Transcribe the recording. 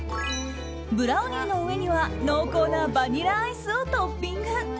ブラウニーの上には濃厚なバニラアイスをトッピング。